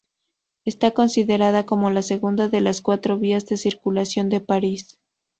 Está considerada como la segunda de las cuatro vías de circunvalación de París.